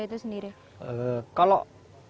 itu sendiri kalau